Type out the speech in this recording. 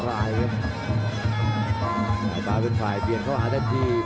พยายามจะไถ่หน้านี่ครับการต้องเตือนเลยครับ